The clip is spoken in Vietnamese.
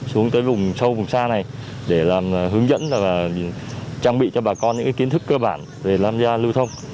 xuống tới vùng sâu vùng xa này để làm hướng dẫn và trang bị cho bà con những kiến thức cơ bản để làm ra lưu thông